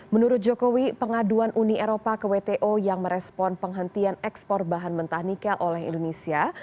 menurut jokowi pengaduan uni eropa ke wto yang merespon penghentian ekspor bahan mentah nikel oleh indonesia